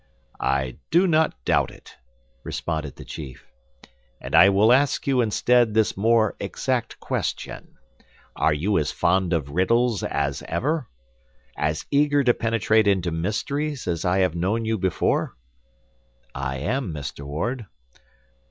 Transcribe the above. "I do not doubt it," responded the chief. "And I will ask you instead this more exact question: Are you as fond of riddles as ever? As eager to penetrate into mysteries, as I have known you before?" "I am, Mr. Ward."